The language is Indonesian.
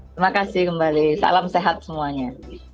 terima kasih kembali salam sehat semuanya